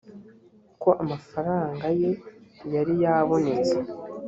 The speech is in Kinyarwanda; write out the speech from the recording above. ko amafaranga ye yari yabonetse